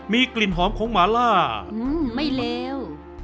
มีกลิ่นหอมของหมาล่าไม่เลว